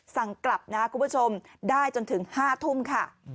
สั่งกลับนะคุณผู้ชมได้จนถึง๕ทุ่มค่ะ